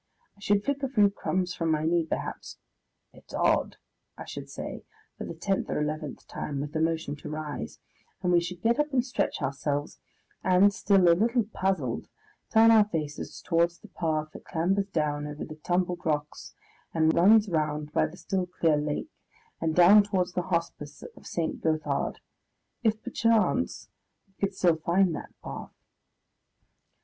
I should flick a few crumbs from my knee, perhaps. "It's odd," I should say, for the tenth or eleventh time, with a motion to rise, and we should get up and stretch ourselves, and, still a little puzzled, turn our faces towards the path that clambers down over the tumbled rocks and runs round by the still clear lake and down towards the Hospice of St. Gotthard if perchance we could still find that path.